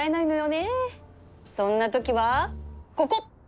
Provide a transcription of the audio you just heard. そんなときはここ！